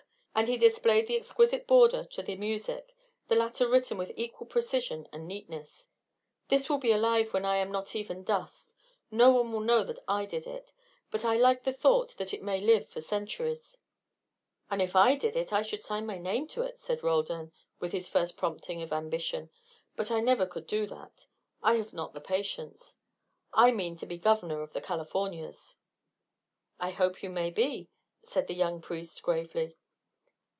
And he displayed the exquisite border to the music, the latter written with equal precision and neatness. "This will be alive when I am not even dust. No one will know that I did it; but I like the thought that it may live for centuries." "If I did it, I should sign my name to it," said Roldan, with his first prompting of ambition. "But I never could do that; I have not the patience. I mean to be governor of the Californias." "I hope you may be," said the young priest, gravely.